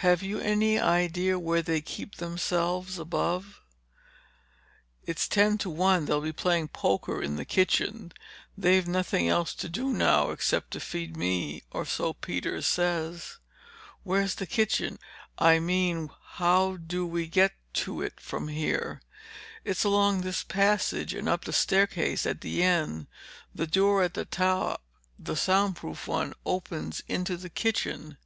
"Have you any idea where they keep themselves above?" "It's ten to one they'll be playing poker in the kitchen. They've nothing else to do now, except to feed me—or so Peters says." "Where's the kitchen? I mean, how do we get to it from here?" "It's along this passage and up the staircase at the end. The door at the top—the sound proof one—opens into the kitchen."